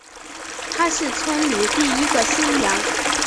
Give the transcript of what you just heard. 她是村里第一个新娘